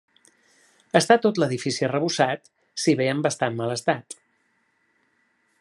Està tot l'edifici arrebossat si bé en bastant mal estat.